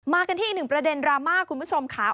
กันที่อีกหนึ่งประเด็นดราม่าคุณผู้ชมค่ะ